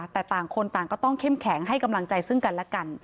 แต่ต่างคนต่างก็ต้องเข้มแข็งให้กำลังใจซึ่งกันและกัน